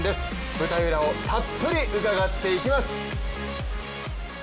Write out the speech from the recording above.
舞台裏をたっぷり伺っていきます。